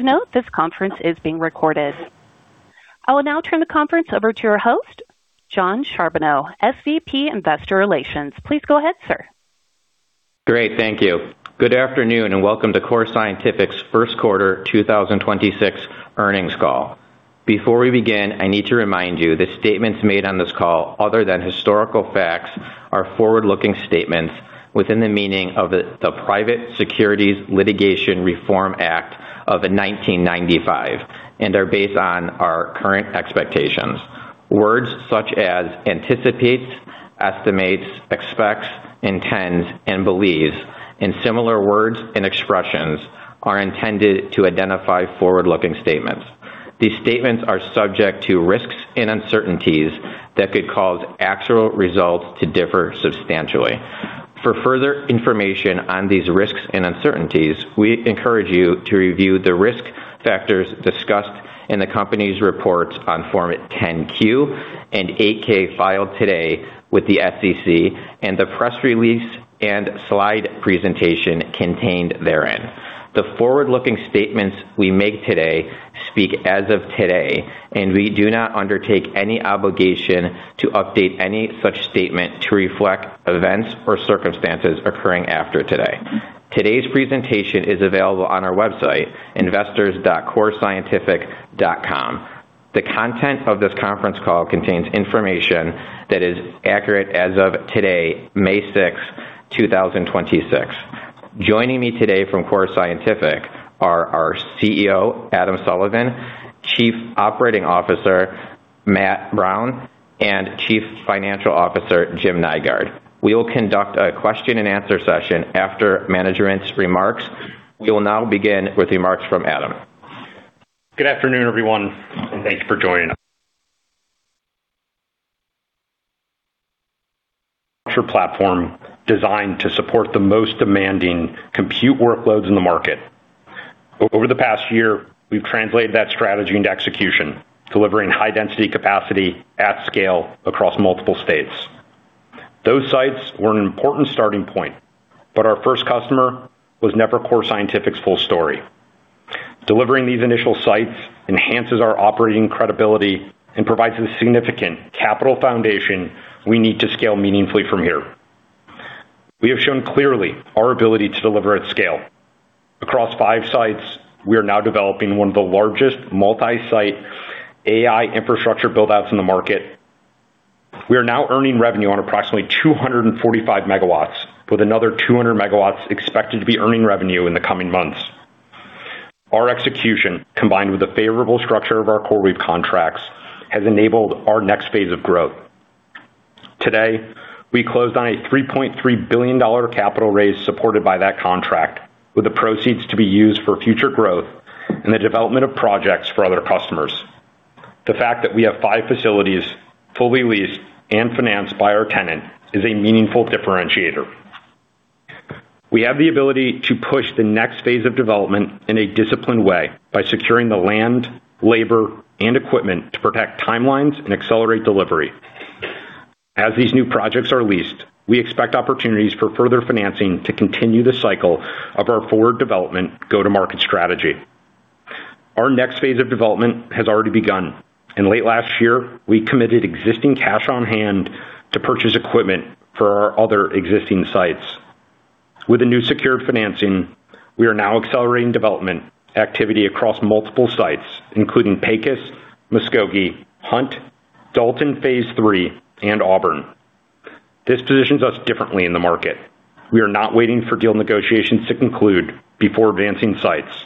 Please note this conference is being recorded. I will now turn the conference over to your host, Jon Charbonneau, SVP, Investor Relations. Please go ahead, sir. Great, thank you. Good afternoon, welcome to Core Scientific's first quarter 2026 earnings call. Before we begin, I need to remind you the statements made on this call other than historical facts are forward-looking statements within the meaning of the Private Securities Litigation Reform Act of 1995 and are based on our current expectations. Words such as anticipates, estimates, expects, intends and believes, and similar words and expressions are intended to identify forward-looking statements. These statements are subject to risks and uncertainties that could cause actual results to differ substantially. For further information on these risks and uncertainties, we encourage you to review the risk factors discussed in the company's reports on Form 10-Q and 8-K filed today with the SEC and the press release and slide presentation contained therein. The forward-looking statements we make today speak as of today, and we do not undertake any obligation to update any such statement to reflect events or circumstances occurring after today. Today's presentation is available on our website, investors.corescientific.com. The content of this conference call contains information that is accurate as of today, May 6, 2026. Joining me today from Core Scientific are our CEO, Adam Sullivan, Chief Operating Officer Matt Brown, and Chief Financial Officer Jim Nygaard. We will conduct a question-and-answer session after management's remarks. We will now begin with remarks from Adam. Good afternoon, everyone, and thank you for joining us. platform designed to support the most demanding compute workloads in the market. Over the past year, we've translated that strategy into execution, delivering high density capacity at scale across multiple states. Those sites were an important starting point, but our first customer was never Core Scientific's full story. Delivering these initial sites enhances our operating credibility and provides a significant capital foundation we need to scale meaningfully from here. We have shown clearly our ability to deliver at scale. Across five sites, we are now developing one of the largest multi-site AI infrastructure build-outs in the market. We are now earning revenue on approximately 245 MW, with another 200 MW expected to be earning revenue in the coming months. Our execution, combined with the favorable structure of our CoreWeave contracts, has enabled our next phase of growth. Today, we closed on a $3.3 billion capital raise supported by that contract, with the proceeds to be used for future growth and the development of projects for other customers. The fact that we have five facilities fully leased and financed by our tenant is a meaningful differentiator. We have the ability to push the next phase of development in a disciplined way by securing the land, labor, and equipment to protect timelines and accelerate delivery. As these new projects are leased, we expect opportunities for further financing to continue the cycle of our forward development go-to-market strategy. Our next phase of development has already begun. In late last year, we committed existing cash on hand to purchase equipment for our other existing sites. With the new secured financing, we are now accelerating development activity across multiple sites, including Pecos, Muskogee, Hunt, Dalton phase III, and Auburn. This positions us differently in the market. We are not waiting for deal negotiations to conclude before advancing sites.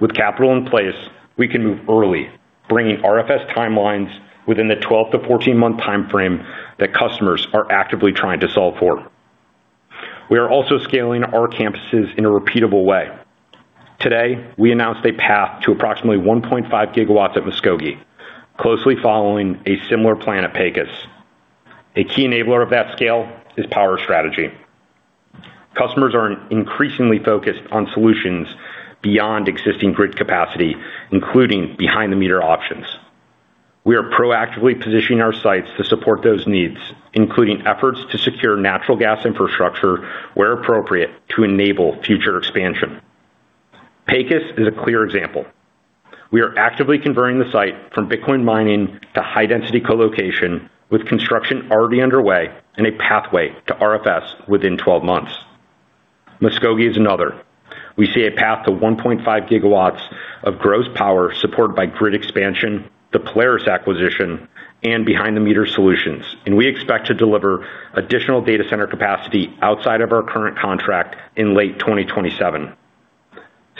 With capital in place, we can move early, bringing RFS timelines within the 12 to 14-month timeframe that customers are actively trying to solve for. We are also scaling our campuses in a repeatable way. Today, we announced a path to approximately 1.5 GWs at Muskogee, closely following a similar plan at Pecos. A key enabler of that scale is power strategy. Customers are increasingly focused on solutions beyond existing grid capacity, including behind-the-meter options. We are proactively positioning our sites to support those needs, including efforts to secure natural gas infrastructure where appropriate to enable future expansion. Pecos is a clear example. We are actively converting the site from Bitcoin mining to high density colocation, with construction already underway and a pathway to RFS within 12 months. Muskogee is another. We see a path to 1.5 GWs of gross power supported by grid expansion, the Polaris acquisition, and behind-the-meter solutions, and we expect to deliver additional data center capacity outside of our current contract in late 2027.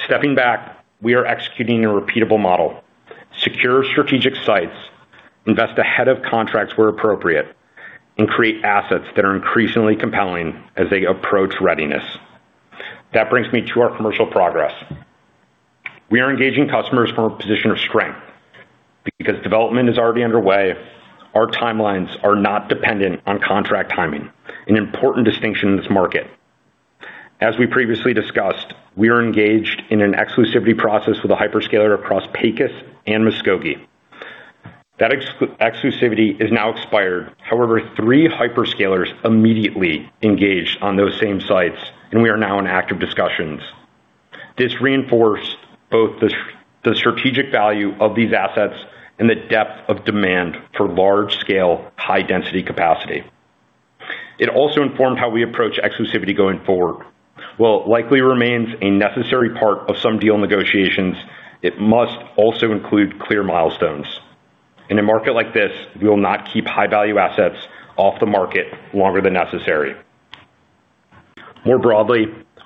Stepping back, we are executing a repeatable model, secure strategic sites, invest ahead of contracts where appropriate, and create assets that are increasingly compelling as they approach readiness. That brings me to our commercial progress. We are engaging customers from a position of strength. Because development is already underway, our timelines are not dependent on contract timing, an important distinction in this market. As we previously discussed, we are engaged in an exclusivity process with a hyperscaler across Pecos and Muskogee. That exclusivity is now expired. Three hyperscalers immediately engaged on those same sites, and we are now in active discussions. This reinforced both the strategic value of these assets and the depth of demand for large scale, high density capacity. It also informed how we approach exclusivity going forward. While it likely remains a necessary part of some deal negotiations, it must also include clear milestones. In a market like this, we will not keep high value assets off the market longer than necessary.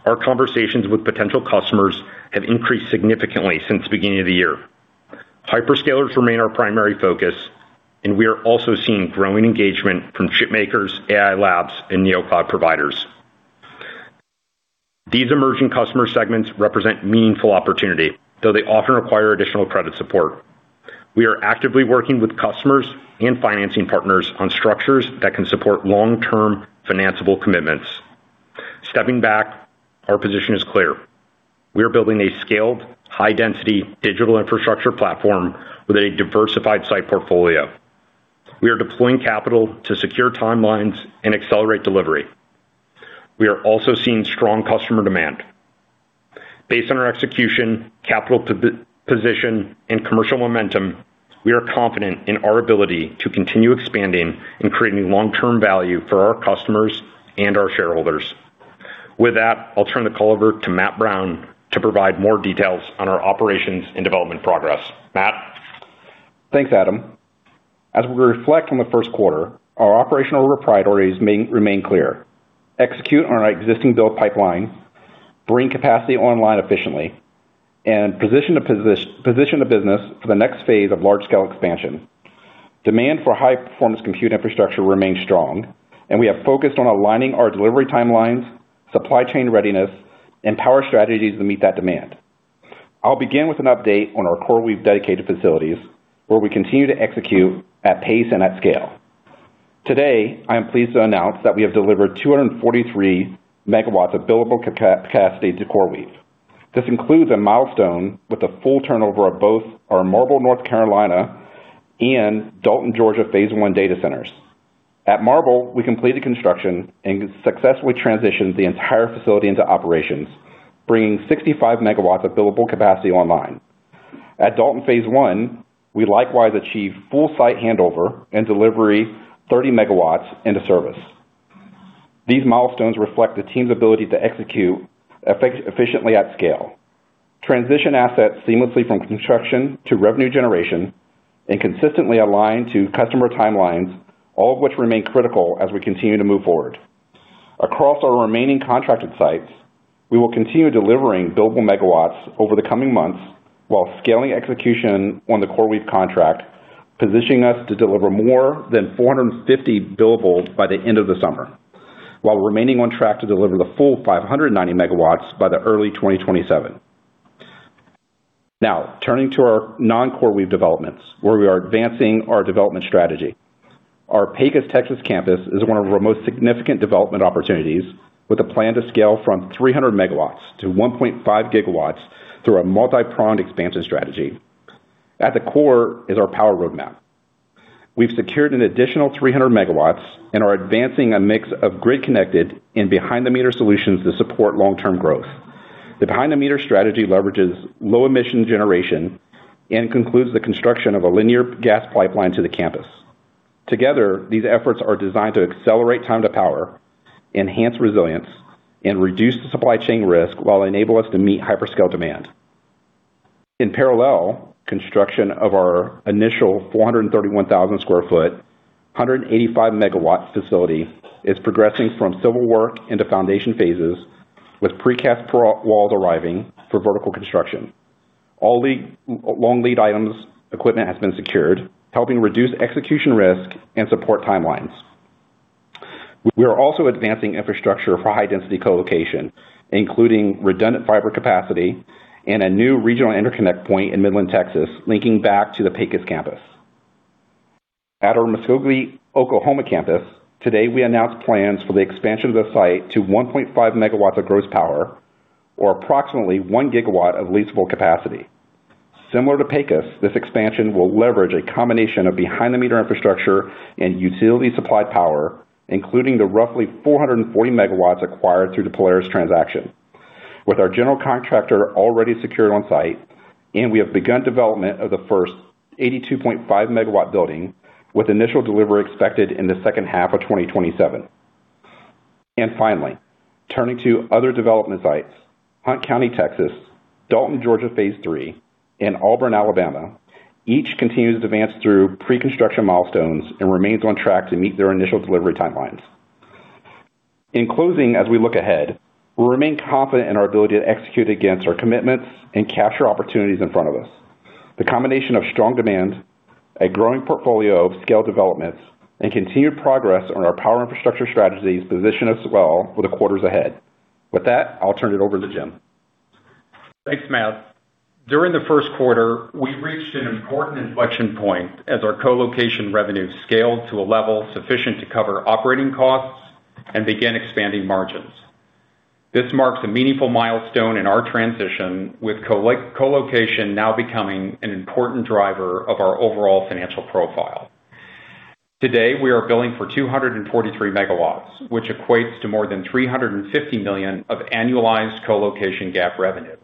Our conversations with potential customers have increased significantly since the beginning of the year. Hyperscalers remain our primary focus, and we are also seeing growing engagement from chip makers, AI labs, and neocloud providers. These emerging customer segments represent meaningful opportunity, though they often require additional credit support. We are actively working with customers and financing partners on structures that can support long term financable commitments. Stepping back, our position is clear. We are building a scaled, high density digital infrastructure platform with a diversified site portfolio. We are deploying capital to secure timelines and accelerate delivery. We are also seeing strong customer demand. Based on our execution, capital position, and commercial momentum, we are confident in our ability to continue expanding and creating long term value for our customers and our shareholders. With that, I'll turn the call over to Matt Brown to provide more details on our operations and development progress. Matt. Thanks, Adam. As we reflect on the first quarter, our operational priorities may remain clear. Execute on our existing build pipeline, bring capacity online efficiently, and position the business for the next phase of large scale expansion. Demand for high performance compute infrastructure remains strong, and we have focused on aligning our delivery timelines, supply chain readiness, and power strategies to meet that demand. I'll begin with an update on our CoreWeave dedicated facilities, where we continue to execute at pace and at scale. Today, I am pleased to announce that we have delivered 243 MW of billable capacity to CoreWeave. This includes a milestone with a full turnover of both our Marble, N.C. and Dalton, Ga. phase I data centers. At Marble, we completed construction and successfully transitioned the entire facility into operations, bringing 65 MW of billable capacity online. At Dalton phase I, we likewise achieved full site handover and delivery 30 MW into service. These milestones reflect the team's ability to execute efficiently at scale, transition assets seamlessly from construction to revenue generation, and consistently align to customer timelines, all of which remain critical as we continue to move forward. Across our remaining contracted sites, we will continue delivering billable megawatts over the coming months while scaling execution on the CoreWeave contract, positioning us to deliver more than 450 billables by the end of the summer, while remaining on track to deliver the full 590 MW by the early 2027. Turning to our non-CoreWeave developments, where we are advancing our development strategy. Our Pecos, Texas campus is one of our most significant development opportunities, with a plan to scale from 300 MW to 1.5 GW through a multi-pronged expansion strategy. At the core is our power roadmap. We've secured an additional 300 MW and are advancing a mix of grid connected and behind-the-meter solutions to support long term growth. The behind-the-meter strategy leverages low emission generation and concludes the construction of a linear gas pipeline to the campus. Together, these efforts are designed to accelerate time to power, enhance resilience, and reduce the supply chain risk while enabling us to meet hyperscale demand. In parallel, construction of our initial 431,000 sq ft, 185 MW facility is progressing from civil work into foundation phases with precast walls arriving for vertical construction. Long lead items equipment has been secured, helping reduce execution risk and support timelines. We are also advancing infrastructure for high density colocation, including redundant fiber capacity and a new regional interconnect point in Midland, Texas, linking back to the Pecos campus. At our Muskogee, Oklahoma campus, today, we announced plans for the expansion of the site to 1.5 MW of gross power or approximately 1 GW of leasable capacity. Similar to Pecos, this expansion will leverage a combination of behind-the-meter infrastructure and utility supply power, including the roughly 440 MW acquired through the Polaris transaction. With our general contractor already secured on site, we have begun development of the first 82.5 MW building, with initial delivery expected in the second half of 2027. Finally, turning to other development sites, Hunt County, Texas, Dalton, Georgia, phase III, and Auburn, Alabama, each continues to advance through pre-construction milestones and remains on track to meet their initial delivery timelines. In closing, as we look ahead, we remain confident in our ability to execute against our commitments and capture opportunities in front of us. The combination of strong demand, a growing portfolio of scale developments, and continued progress on our power infrastructure strategies position us well for the quarters ahead. With that, I'll turn it over to Jim. Thanks, Matt. During the first quarter, we reached an important inflection point as our colocation revenue scaled to a level sufficient to cover operating costs and begin expanding margins. This marks a meaningful milestone in our transition, with colocation now becoming an important driver of our overall financial profile. Today, we are billing for 243 MW, which equates to more than $350 million of annualized colocation GAAP revenue,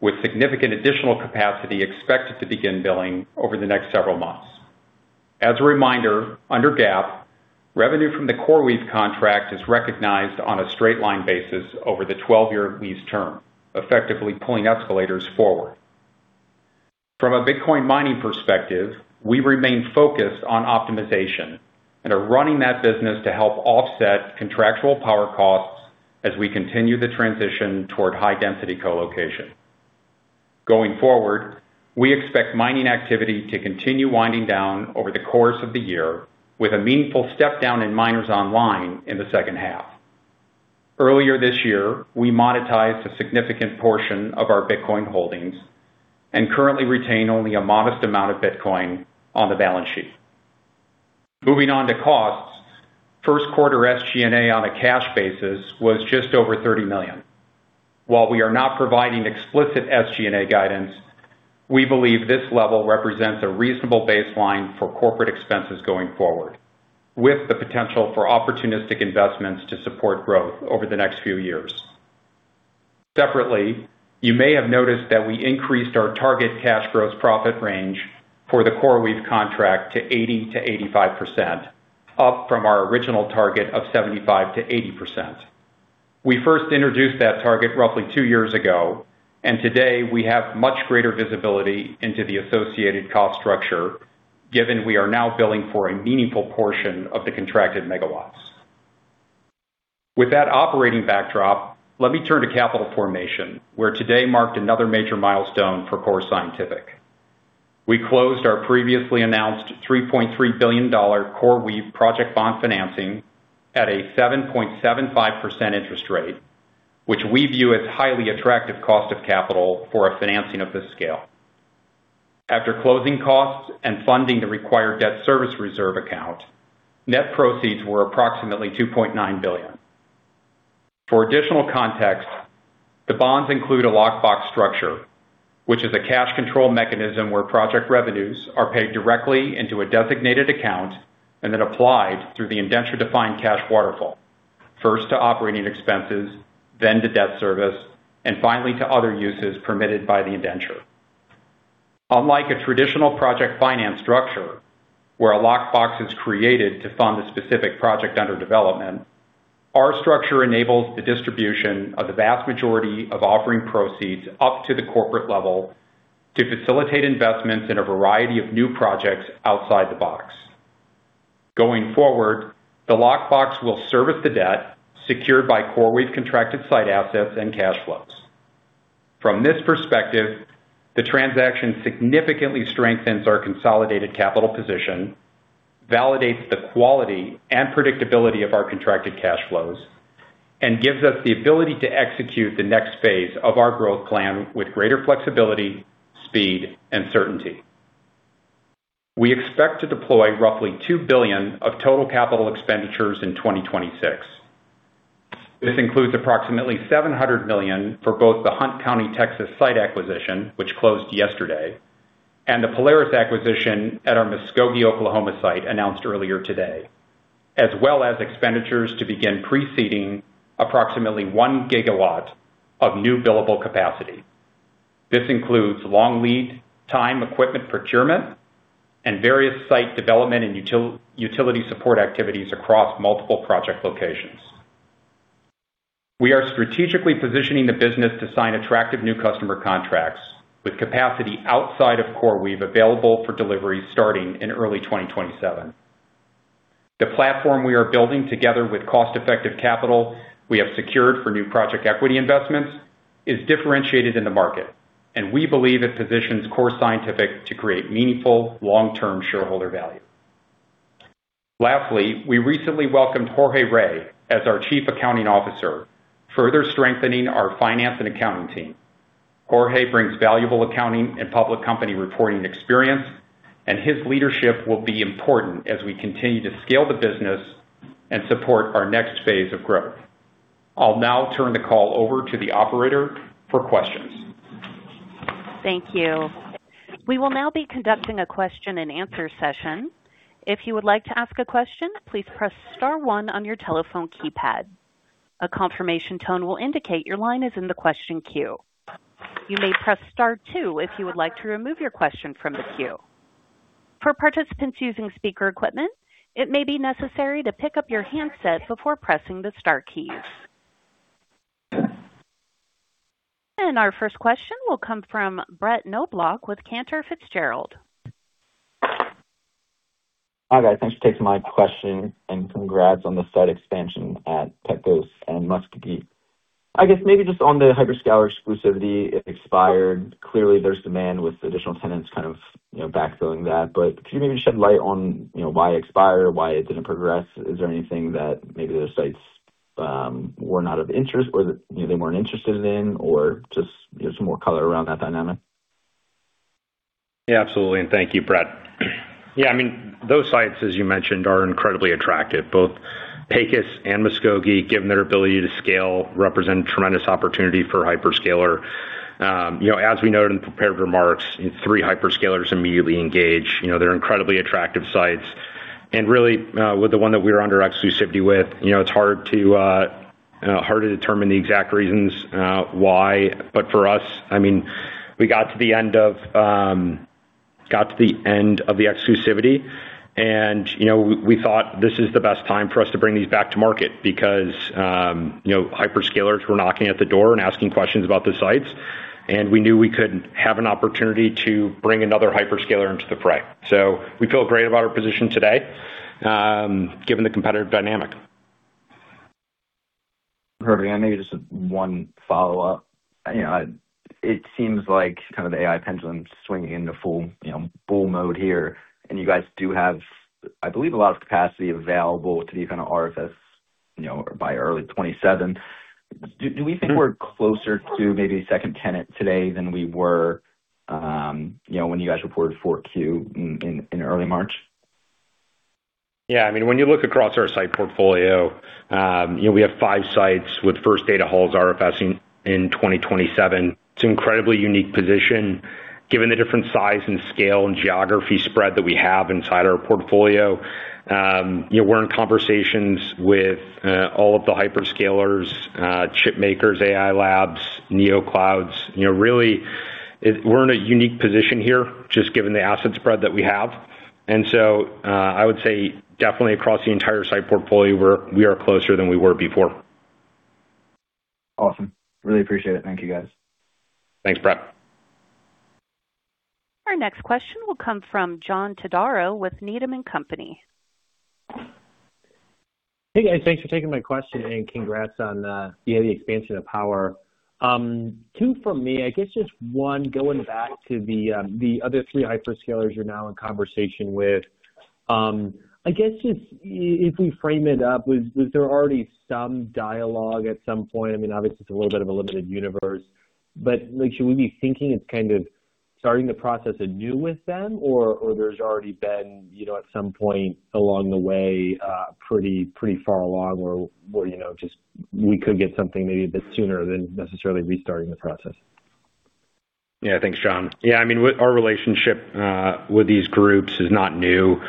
with significant additional capacity expected to begin billing over the next several months. As a reminder, under GAAP, revenue from the CoreWeave contract is recognized on a straight-line basis over the 12-year lease term, effectively pulling escalators forward. From a Bitcoin mining perspective, we remain focused on optimization and are running that business to help offset contractual power costs as we continue the transition toward high-density colocation. Going forward, we expect mining activity to continue winding down over the course of the year with a meaningful step down in miners online in the second half. Earlier this year, we monetized a significant portion of our Bitcoin holdings and currently retain only a modest amount of Bitcoin on the balance sheet. Moving on to costs. First quarter SG&A on a cash basis was just over $30 million. While we are not providing explicit SG&A guidance, we believe this level represents a reasonable baseline for corporate expenses going forward, with the potential for opportunistic investments to support growth over the next few years. Separately, you may have noticed that we increased our target cash gross profit range for the CoreWeave contract to 80%-85%, up from our original target of 75%-80%. We first introduced that target roughly two years ago, and today we have much greater visibility into the associated cost structure, given we are now billing for a meaningful portion of the contracted megawatts. With that operating backdrop, let me turn to capital formation, where today marked another major milestone for Core Scientific. We closed our previously announced $3.3 billion CoreWeave project bond financing at a 7.75% interest rate, which we view as highly attractive cost of capital for a financing of this scale. After closing costs and funding the required debt service reserve account, net proceeds were approximately $2.9 billion. For additional context, the bonds include a lockbox structure, which is a cash control mechanism where project revenues are paid directly into a designated account and then applied through the indenture-defined cash waterfall, first to operating expenses, then to debt service, and finally to other uses permitted by the indenture. Unlike a traditional project finance structure where a lockbox is created to fund a specific project under development, our structure enables the distribution of the vast majority of offering proceeds up to the corporate level to facilitate investments in a variety of new projects outside the box. Going forward, the lockbox will service the debt secured by CoreWeave contracted site assets and cash flows. From this perspective, the transaction significantly strengthens our consolidated capital position, validates the quality and predictability of our contracted cash flows, and gives us the ability to execute the next phase of our growth plan with greater flexibility, speed, and certainty. We expect to deploy roughly $2 billion of total capital expenditures in 2026. This includes approximately $700 million for both the Hunt County, Texas, site acquisition, which closed yesterday, and the Polaris acquisition at our Muskogee, Oklahoma, site announced earlier today, as well as expenditures to begin pre-seeding approximately 1 GW of new billable capacity. This includes long lead time equipment procurement and various site development and utility support activities across multiple project locations. We are strategically positioning the business to sign attractive new customer contracts with capacity outside of CoreWeave available for delivery starting in early 2027. The platform we are building together with cost-effective capital we have secured for new project equity investments is differentiated in the market, and we believe it positions Core Scientific to create meaningful long-term shareholder value. Lastly, we recently welcomed Jorge Rey as our Chief Accounting Officer, further strengthening our finance and accounting team. Jorge brings valuable accounting and public company reporting experience, and his leadership will be important as we continue to scale the business and support our next phase of growth. I'll now turn the call over to the operator for questions. Thank you. Our first question will come from Brett Knoblauch with Cantor Fitzgerald. Hi, guys. Thanks for taking my question and congrats on the site expansion at Texas and Muskogee. I guess maybe just on the Hyperscale exclusivity, it expired. Clearly, there's demand with additional tenants kind of, you know, backfilling that. Could you maybe shed light on, you know, why it expired, why it didn't progress? Is there anything that maybe those sites were not of interest or, you know, they weren't interested in or just, you know, some more color around that dynamic? Absolutely. Thank you, Brett Knoblauch. Those sites, as you mentioned, are incredibly attractive, both Pecos and Muskogee, given their ability to scale, represent tremendous opportunity for hyperscaler. As we noted in prepared remarks, three hyperscalers immediately engage. They're incredibly attractive sites. Really, with the one that we're under exclusivity with, it's hard to determine the exact reasons why. For us, we got to the end of the exclusivity and we thought this is the best time for us to bring these back to market because hyperscalers were knocking at the door and asking questions about the sites, and we knew we couldn't have an opportunity to bring another hyperscaler into the fray. We feel great about our position today, given the competitive dynamic. Perfect. Yeah, maybe just one follow-up. You know, it seems like kind of the AI pendulum swinging into full, you know, bull mode here. You guys do have, I believe, a lot of capacity available to these kind of RFS, you know, by early 2027. Do we think we're closer to maybe a second tenant today than we were, you know, when you guys reported 4Q in early March? Yeah, I mean, when you look across our site portfolio, you know, we have five sites with first data halls RFS in 2027. It's incredibly unique position given the different size and scale and geography spread that we have inside our portfolio. You know, we're in conversations with all of the hyperscalers, chip makers, AI labs, neo clouds. You know, we're in a unique position here, just given the asset spread that we have. I would say definitely across the entire site portfolio, we are closer than we were before. Awesome. Really appreciate it. Thank you, guys. Thanks, Brett. Our next question will come from John Todaro with Needham & Company. Hey, guys, thanks for taking my question and congrats on the expansion of power. Two from me. I guess just one, going back to the other three hyperscalers you're now in conversation with. I guess just if we frame it up, was there already some dialogue at some point? I mean, obviously it's a little bit of a limited universe, but like should we be thinking it's kind of starting the process anew with them or there's already been, you know, at some point along the way, pretty far along where, you know, just we could get something maybe a bit sooner than necessarily restarting the process? Yeah. Thanks, John. I mean, our relationship with these groups is not new.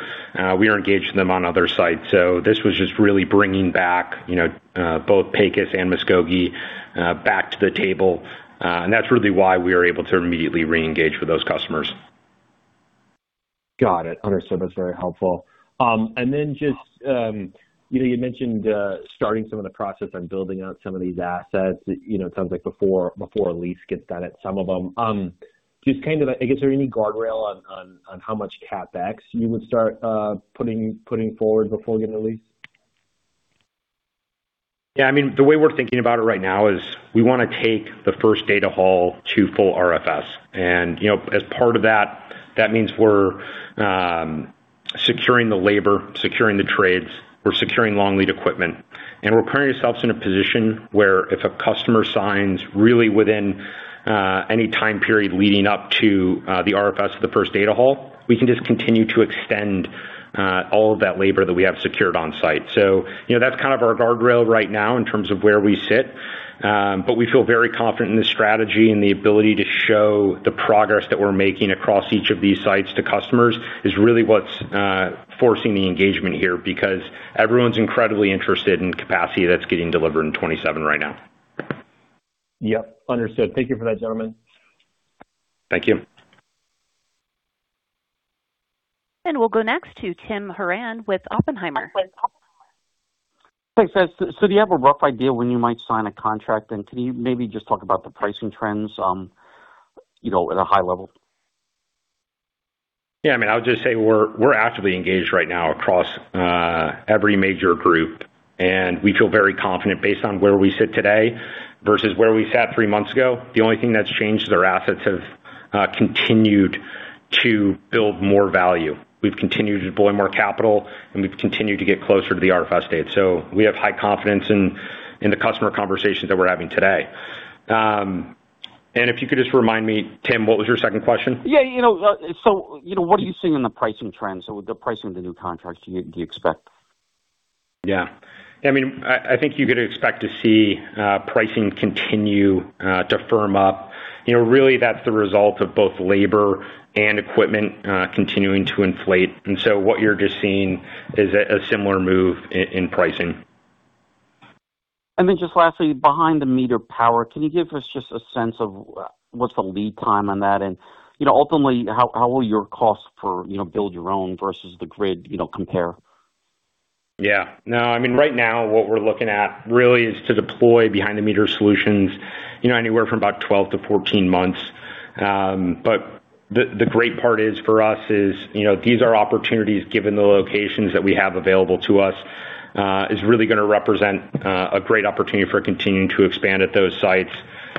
We are engaged with them on other sites. This was just really bringing back, you know, both Pecos and Muskogee back to the table. That's really why we are able to immediately re-engage with those customers. Got it. Understood. That's very helpful. Just, you know, you mentioned starting some of the process on building out some of these assets. You know, it sounds like before a lease gets done at some of them. Just kind of, I guess, are there any guardrail on how much CapEx you would start putting forward before getting a lease? Yeah, I mean, the way we're thinking about it right now is we wanna take the first data hall to full RFS. As part of that means we're securing the labor, securing the trades. We're securing long lead equipment. We're putting ourselves in a position where if a customer signs really within any time period leading up to the RFS of the first data hall, we can just continue to extend all of that labor that we have secured on site. That's kind of our guardrail right now in terms of where we sit. We feel very confident in the strategy and the ability to show the progress that we're making across each of these sites to customers is really what's forcing the engagement here because everyone's incredibly interested in capacity that's getting delivered in 2027 right now. Yep, understood. Thank you for that, gentlemen. Thank you. We'll go next to Timothy Horan with Oppenheimer. Thanks, guys. Do you have a rough idea when you might sign a contract? Can you maybe just talk about the pricing trends, you know, at a high level? Yeah, I mean, I would just say we're actively engaged right now across every major group, and we feel very confident based on where we sit today versus where we sat three months ago. The only thing that's changed is our assets have continued to build more value. We've continued to deploy more capital, and we've continued to get closer to the RFS date. We have high confidence in the customer conversations that we're having today. If you could just remind me, Tim, what was your second question? Yeah, you know, you know, what are you seeing in the pricing trends or the pricing of the new contracts you expect? Yeah. I mean, I think you could expect to see pricing continue to firm up. You know, really that's the result of both labor and equipment continuing to inflate. What you're just seeing is a similar move in pricing. Just lastly, behind-the-meter power, can you give us just a sense of what's the lead time on that? Ultimately, how will your cost for, you know, build your own versus the grid, you know, compare? Yeah. No, I mean, right now what we're looking at really is to deploy behind-the-meter solutions, you know, anywhere from about 12-14 months. The great part is for us is, you know, these are opportunities given the locations that we have available to us, is really gonna represent a great opportunity for continuing to expand at those sites.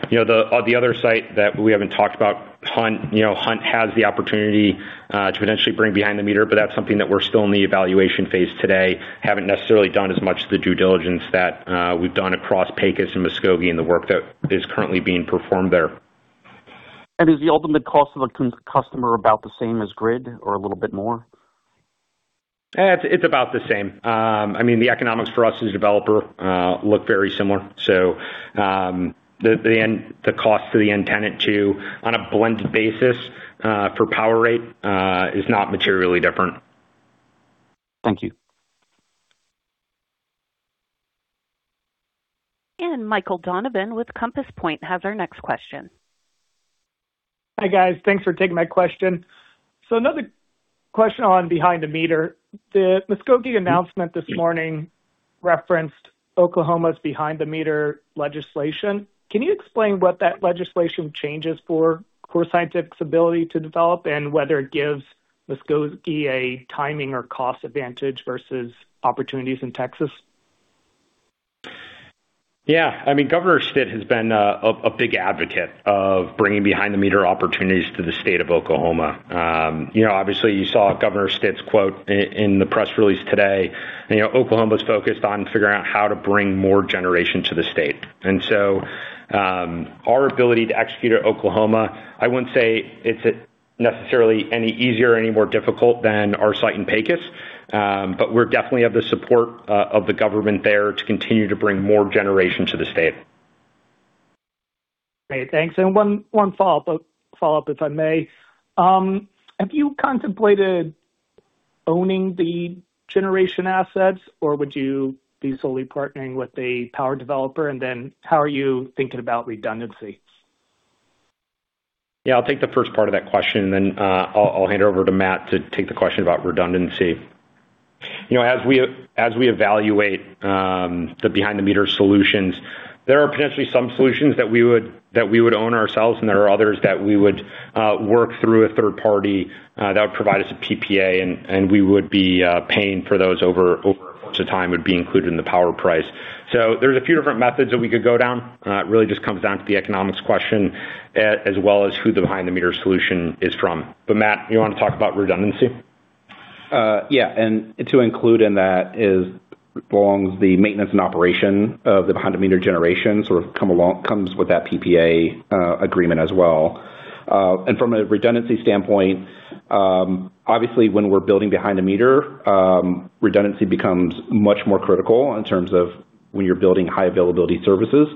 You know, the other site that we haven't talked about, Hunt. You know, Hunt has the opportunity to potentially bring behind-the-meter, that's something that we're still in the evaluation phase today. Haven't necessarily done as much of the due diligence that we've done across Pecos and Muskogee and the work that is currently being performed there. Is the ultimate cost of a customer about the same as grid or a little bit more? It's about the same. I mean, the economics for us as a developer look very similar. The cost to the end tenant to, on a blended basis, per power rate, is not materially different. Thank you. Michael Donovan with Compass Point has our next question. Hi, guys. Thanks for taking my question. Another question on behind the meter. The Muskogee announcement this morning referenced Oklahoma's behind-the-meter legislation. Can you explain what that legislation changes for Core Scientific's ability to develop and whether it gives Muskogee a timing or cost advantage versus opportunities in Texas? Yeah, I mean, Kevin Stitt has been a big advocate of bringing behind-the-meter opportunities to the state of Oklahoma. You know, obviously you saw Kevin Stitt's quote in the press release today. You know, Oklahoma is focused on figuring out how to bring more generation to the state. Our ability to execute at Oklahoma, I wouldn't say it's necessarily any easier or any more difficult than our site in Pecos, but we definitely have the support of the government there to continue to bring more generation to the state. Great. Thanks. One follow up, if I may. Have you contemplated owning the generation assets or would you be solely partnering with a power developer? How are you thinking about redundancy? Yeah, I'll take the first part of that question and then I'll hand it over to Matt to take the question about redundancy. You know, as we evaluate the behind the meter solutions, there are potentially some solutions that we would own ourselves and there are others that we would work through a third party that would provide us a PPA and we would be paying for those over a course of time would be included in the power price. There's a few different methods that we could go down. It really just comes down to the economics question as well as who the behind the meter solution is from. Matt, you want to talk about redundancy? To include in that is belongs the maintenance and operation of the behind-the-meter generation comes with that PPA agreement as well. From a redundancy standpoint, obviously when we're building behind-the-meter, redundancy becomes much more critical in terms of when you're building high availability services.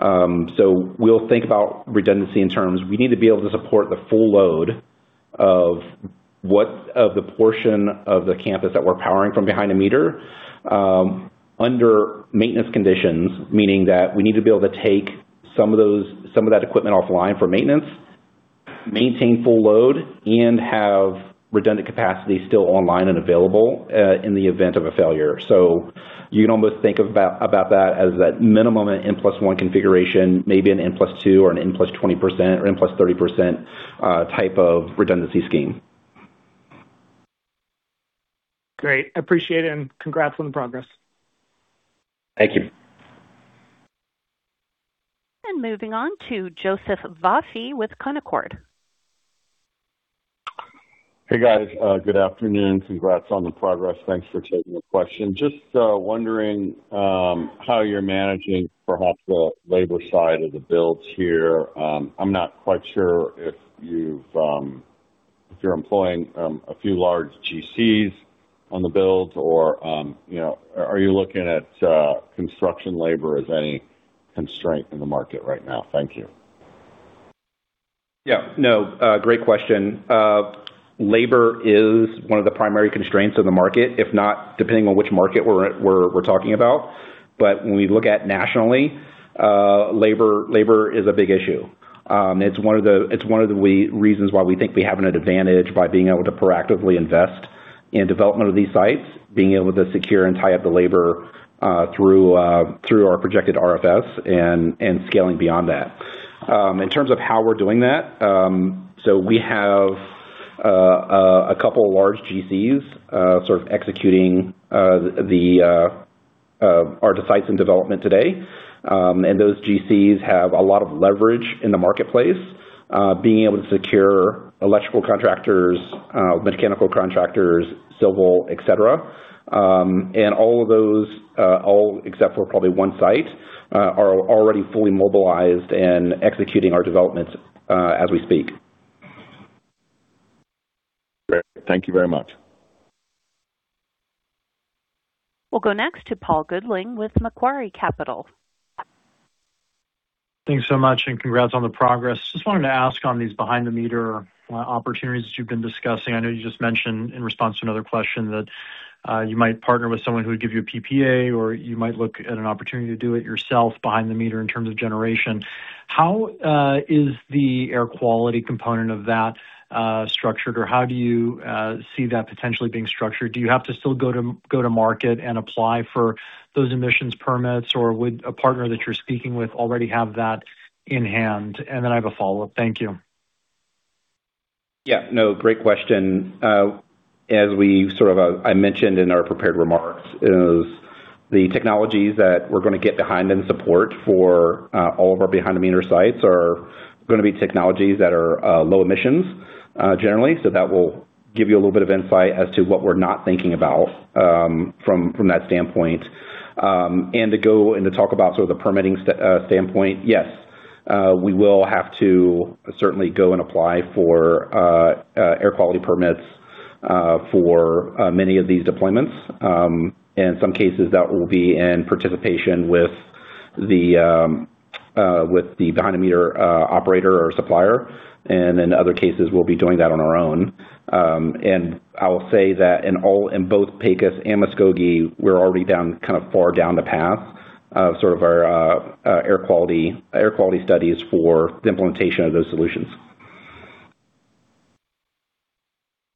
We'll think about redundancy in terms we need to be able to support the full load of the portion of the campus that we're powering from behind-the-meter, under maintenance conditions, meaning that we need to be able to take some of that equipment offline for maintenance, maintain full load, and have redundant capacity still online and available in the event of a failure. You can almost think about that as a minimum, an N plus one configuration, maybe an N+2% or an N +20% or N+30% type of redundancy scheme. Great. Appreciate it, and congrats on the progress. Thank you. Moving on to Joseph Vafi with Canaccord. Hey, guys. Good afternoon. Congrats on the progress. Thanks for taking the question. Just wondering how you're managing perhaps the labor side of the builds here. I'm not quite sure if you've if you're employing a few large GCs on the builds or, you know, are you looking at construction labor as any constraint in the market right now? Thank you. Yeah. No, great question. Labor is one of the primary constraints of the market, if not depending on which market we're talking about. When we look at nationally, labor is a big issue. It's one of the reasons why we think we have an advantage by being able to proactively invest in development of these sites, being able to secure and tie up the labor through our projected RFS and scaling beyond that. In terms of how we're doing that, we have two large GCs sort of executing our sites and development today. Those GCs have a lot of leverage in the marketplace, being able to secure electrical contractors, mechanical contractors, civil, et cetera. All of those, all except for probably one site, are already fully mobilized and executing our developments, as we speak. Great. Thank you very much. We'll go next to Paul Golding with Macquarie Capital. Thanks so much. Congrats on the progress. Just wanted to ask on these behind-the-meter opportunities that you've been discussing. I know you just mentioned in response to another question that you might partner with someone who would give you a PPA or you might look at an opportunity to do it yourself behind-the-meter in terms of generation. How is the air quality component of that structured, or how do you see that potentially being structured? Do you have to still go to market and apply for those emissions permits, or would a partner that you're speaking with already have that in hand? I have a follow-up. Thank you. Yeah. No, great question. As we sort of, I mentioned in our prepared remarks is the technologies that we're gonna get behind and support for all of our behind-the-meter sites are gonna be technologies that are low emissions, generally. That will give you a little bit of insight as to what we're not thinking about from that standpoint. To go and to talk about sort of the permitting standpoint, yes. We will have to certainly go and apply for air quality permits for many of these deployments. In some cases, that will be in participation with the behind-the-meter operator or supplier. In other cases, we'll be doing that on our own. I'll say that in both Pecos and Muskogee, we're already down, kind of, far down the path of sort of our air quality studies for the implementation of those solutions.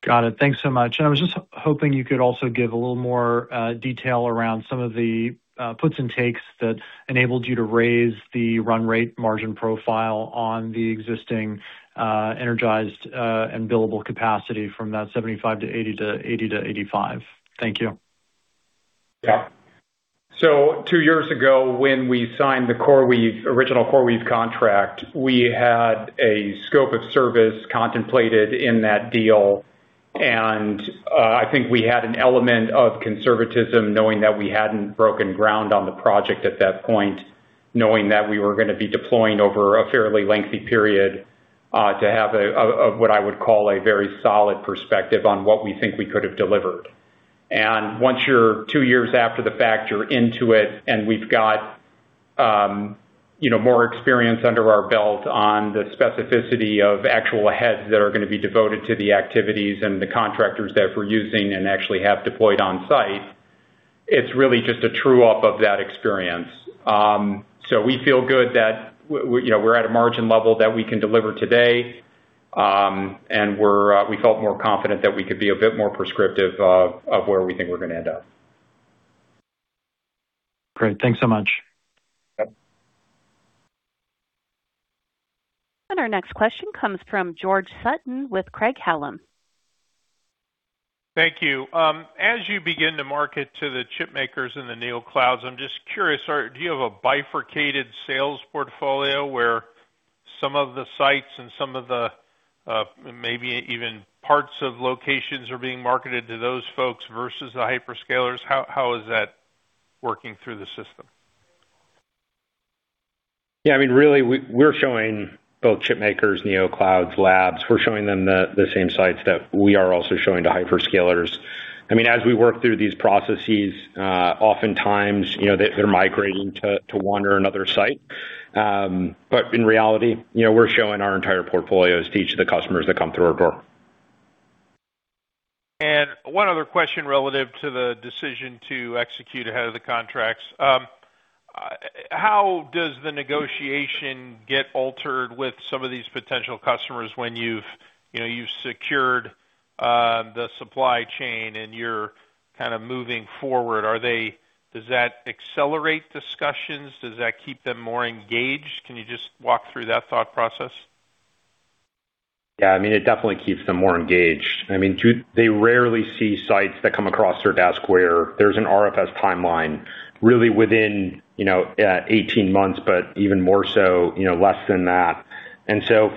Got it. Thanks so much. I was just hoping you could also give a little more detail around some of the puts and takes that enabled you to raise the run rate margin profile on the existing energized and billable capacity from that 75% to 80% to 85%. Thank you. Two years ago, when we signed the CoreWeave original CoreWeave contract, we had a scope of service contemplated in that deal. I think we had an element of conservatism knowing that we hadn't broken ground on the project at that point, knowing that we were gonna be deploying over a fairly lengthy period, to have a what I would call a very solid perspective on what we think we could have delivered. Once you're two years after the fact, you're into it, and we've got, you know, more experience under our belt on the specificity of actual heads that are gonna be devoted to the activities and the contractors that we're using and actually have deployed on site, it's really just a true up of that experience. We feel good that we, you know, we're at a margin level that we can deliver today, and we're, we felt more confident that we could be a bit more prescriptive of where we think we're gonna end up. Great. Thanks so much. Our next question comes from George Sutton with Craig-Hallum. Thank you. As you begin to market to the chipmakers and the neo clouds, I'm just curious, do you have a bifurcated sales portfolio where some of the sites and some of the maybe even parts of locations are being marketed to those folks versus the hyperscalers? How is that working through the system? Yeah, I mean, really, we're showing both chipmakers, neo clouds, labs. We're showing them the same sites that we are also showing to hyperscalers. I mean, as we work through these processes, oftentimes, you know, they're migrating to one or another site. In reality, you know, we're showing our entire portfolios to each of the customers that come through our door. One other question relative to the decision to execute ahead of the contracts. How does the negotiation get altered with some of these potential customers when you've, you know, you've secured the supply chain and you're kind of moving forward? Does that accelerate discussions? Does that keep them more engaged? Can you just walk through that thought process? Yeah, I mean, it definitely keeps them more engaged. I mean, they rarely see sites that come across their desk where there's an RFS timeline really within, you know, 18 months, even more so, you know, less than that.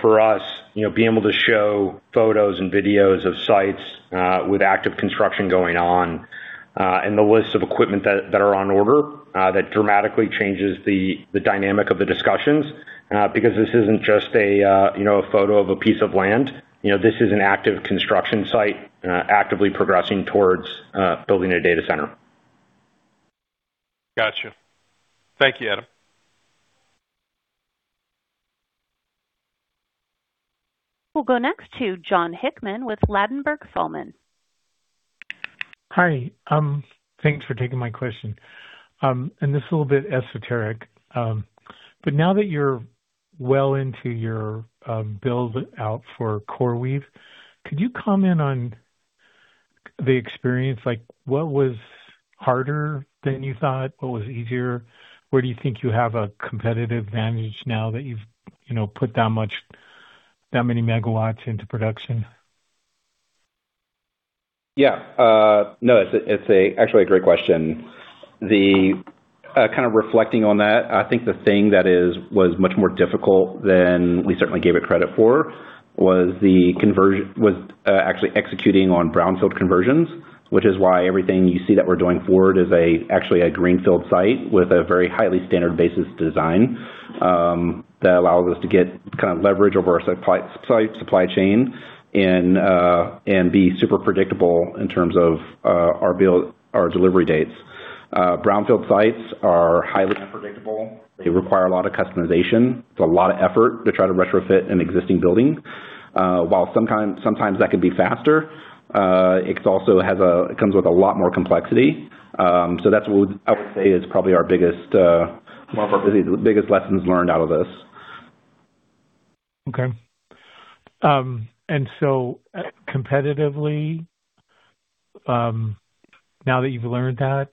For us, you know, being able to show photos and videos of sites with active construction going on, and the list of equipment that are on order, that dramatically changes the dynamic of the discussions, because this isn't just a, you know, a photo of a piece of land. You know, this is an active construction site, actively progressing towards building a data center. Gotcha. Thank you, Adam. We'll go next to Jon Hickman with Ladenburg Thalmann. Hi. Thanks for taking my question. This is a little bit esoteric, but now that you're well into your buildout for CoreWeave, could you comment on the experience? Like, what was harder than you thought? What was easier? Where do you think you have a competitive advantage now that you've, you know, put that much, that many megawatts into production? Yeah. No, it's actually a great question. The kind of reflecting on that, I think the thing that was much more difficult than we certainly gave it credit for was actually executing on brownfield conversions, which is why everything you see that we're doing forward is actually a greenfield site with a very highly standard basis design that allows us to get kind of leverage over our supply chain and be super predictable in terms of our build, our delivery dates. brownfield sites are highly unpredictable. They require a lot of customization. It's a lot of effort to try to retrofit an existing building. While sometimes that can be faster, it also comes with a lot more complexity. That's what I would say is probably our biggest, one of our biggest lessons learned out of this. Okay. Competitively, now that you've learned that,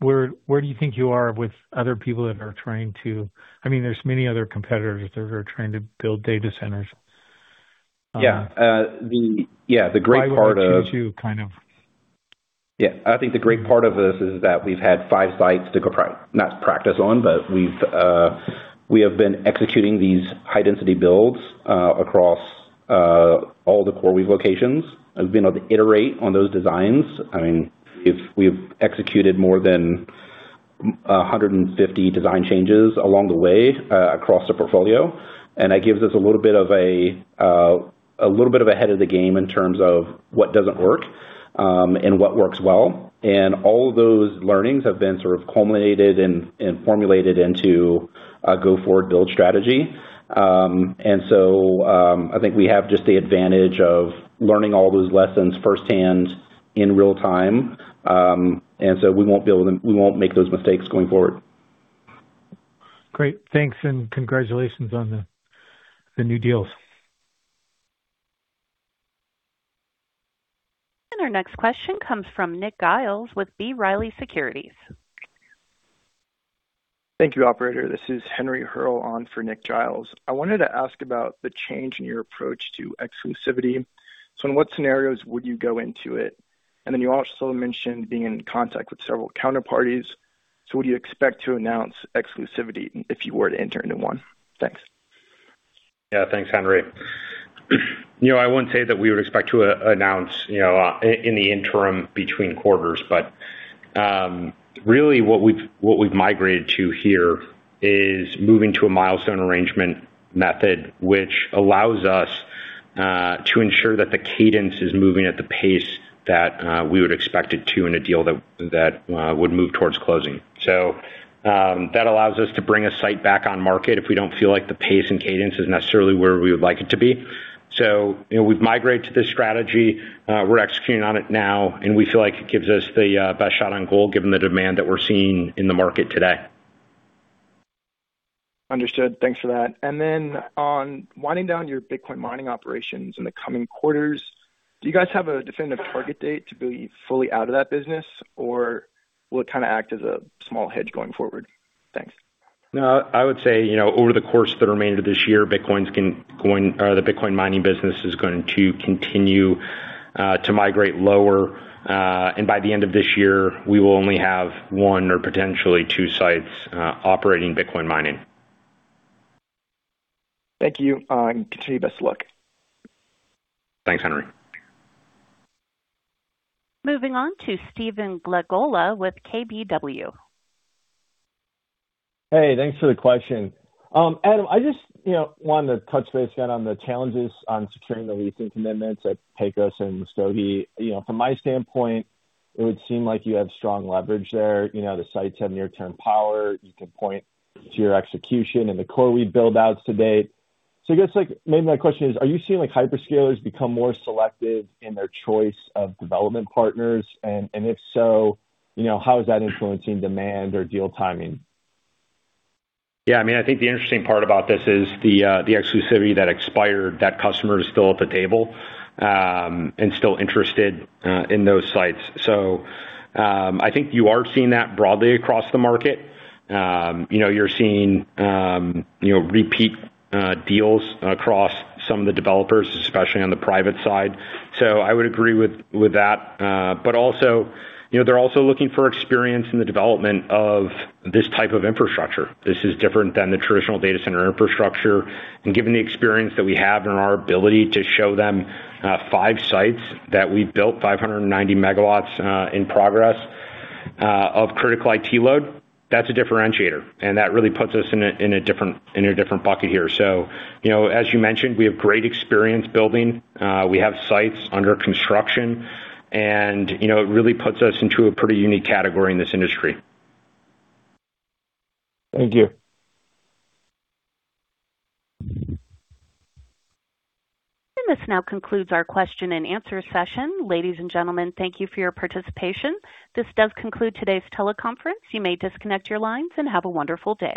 where do you think you are with other people that are trying to, I mean, there's many other competitors that are trying to build data centers? Yeah, the great part of. Why would I choose you, kind of? Yeah. I think the great part of this is that we've had 5 sites not practice on, but we have been executing these high-density builds across all the CoreWeave locations. We've been able to iterate on those designs. I mean, we've executed more than 150 design changes along the way across the portfolio. That gives us a little bit of a little bit of ahead of the game in terms of what doesn't work and what works well. All of those learnings have been sort of culminated and formulated into a go forward build strategy. I think we have just the advantage of learning all those lessons firsthand in real time. We won't make those mistakes going forward. Great. Thanks. Congratulations on the new deals. Our next question comes from Nick Giles with B. Riley Securities. Thank you, operator. This is Henry Hurl on for Nick Giles. I wanted to ask about the change in your approach to exclusivity. In what scenarios would you go into it? And then you also mentioned being in contact with several counterparties. Would you expect to announce exclusivity if you were to enter into one? Thanks. Yeah. Thanks, Henry. You know, I wouldn't say that we would expect to announce, you know, in the interim between quarters. Really what we've migrated to here is moving to a milestone arrangement method, which allows us to ensure that the cadence is moving at the pace that we would expect it to in a deal that would move towards closing. That allows us to bring a site back on market if we don't feel like the pace and cadence is necessarily where we would like it to be. You know, we've migrated to this strategy. We're executing on it now, and we feel like it gives us the best shot on goal given the demand that we're seeing in the market today. Understood. Thanks for that. Then on winding down your Bitcoin mining operations in the coming quarters, do you guys have a definitive target date to be fully out of that business, or will it kind of act as a small hedge going forward? Thanks. No, I would say, you know, over the course of the remainder of this year, the Bitcoin mining business is going to continue to migrate lower. By the end of this year, we will only have one or potentially two sites operating Bitcoin mining. Thank you. Continue. Best of luck. Thanks, Henry. Moving on to Stephen Glagola with KBW. Hey, thanks for the question. Adam, I just, you know, wanted to touch base again on the challenges on securing the leasing commitments at Pecos and Muskogee. You know, from my standpoint, it would seem like you have strong leverage there. You know, the sites have near term power. You can point to your execution and the CoreWeave buildouts to date. I guess, like, maybe my question is, are you seeing, like, hyperscalers become more selective in their choice of development partners? If so, you know, how is that influencing demand or deal timing? Yeah, I mean, I think the interesting part about this is the exclusivity that expired, that customer is still at the table and still interested in those sites. I think you are seeing that broadly across the market. You know, you're seeing, you know, repeat deals across some of the developers, especially on the private side. I would agree with that. Also, you know, they're also looking for experience in the development of this type of infrastructure. This is different than the traditional data center infrastructure. Given the experience that we have and our ability to show them 5 sites that we've built, 590 megawatts in progress of critical IT load, that's a differentiator, and that really puts us in a different bucket here. You know, as you mentioned, we have great experience building. We have sites under construction, and, you know, it really puts us into a pretty unique category in this industry. Thank you. This now concludes our question and answer session. Ladies and gentlemen, thank you for your participation. This does conclude today's teleconference. You may disconnect your lines. Have a wonderful day.